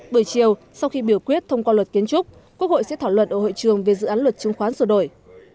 buổi chiều sau khi biểu quyết thông qua luật kiến trúc quốc hội sẽ thỏa luật ở hội trường về dự án luật trung khoán sửa đổi